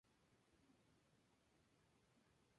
Finalmente se casó con un español llamado Alejandro Pons.